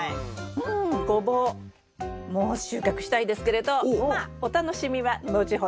うんゴボウもう収穫したいですけれどまあお楽しみは後ほど。